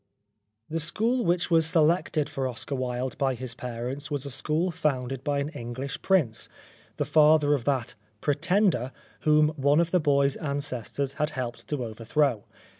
The school which was selected for Oscar Wilde by his parents was a school founded by an English prince, the father of that " Pretender " whom one of the boy's ancestors had helped to overthrow.